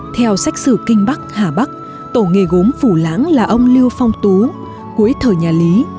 theo sách sử kinh bắc hà bắc tổ nghề gốm phủ lãng là ông lưu phong tú cuối thời nhà lý